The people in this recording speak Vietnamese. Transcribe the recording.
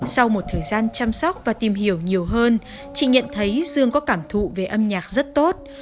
sau một thời gian chăm sóc và tìm hiểu nhiều hơn chị nhận thấy dương có cảm thụ về âm nhạc rất tốt